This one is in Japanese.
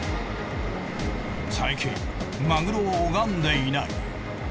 最近マグロを拝んでいない。